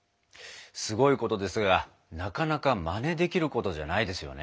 すごいことですがなかなかまねできることじゃないですよね。